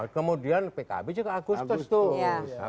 kemudian pkb juga agustus